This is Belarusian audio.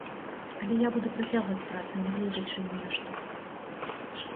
Але я буду працягваць працу, нягледзячы ні на што.